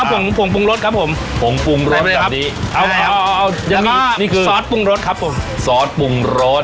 แล้วก็ผงปรุงรสครับผมใส่ไปเลยครับแล้วก็ซอสปรุงรสครับผมซอสปรุงรส